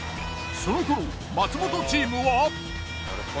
その頃松本チームは。